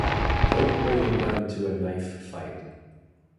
Don't bring a gun to a knife-fight.